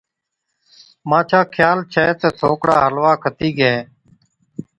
مانڇا خيال ڇَي تہ ٿوڪڙا حلوا کتِي گيهين۔